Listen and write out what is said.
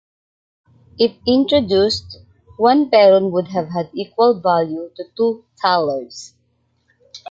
If introduced, one Perun would have had equal value to two thalers.